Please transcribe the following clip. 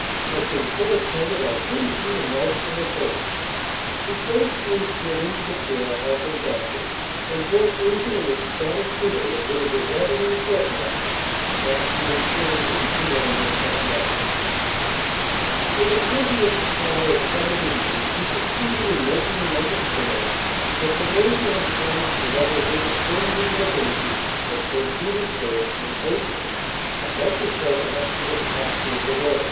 I've been so excited I couldn't eat a mouthful at home." She gracefully slid into the chair Halkins offered, and broke into an ecstatic giggle that would have resulted in a court martial had she been serving any commander but Love. With a plenteous supply of Southern idioms she succeeded in making them understand that the major had promised to let her visit friends in the legation at St. Petersburg in April a month or so after the departure of the Lorrys.